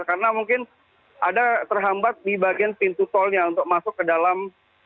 karena mungkin ada terhambat di bagian pintu tolnya untuk masuk ke dalam